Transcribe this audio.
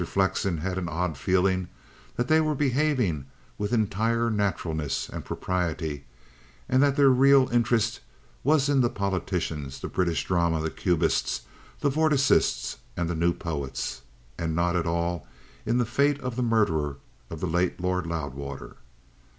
Flexen had an odd feeling that they were behaving with entire naturalness and propriety; that their real interest was in the politicians, the British drama, the Cubists, the Vorticists and the New Poets, and not at all in the fate of the murderer of the late Lord Loudwater.